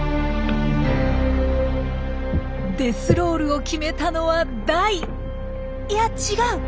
デスロールを決めたのはダイいや違う！